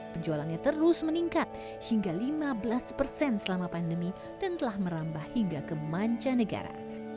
penjualannya terus meningkat hingga lima belas persen selama pandemi dan telah merambah hingga ke manca negara